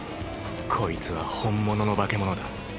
こいつは本物の化け物だ。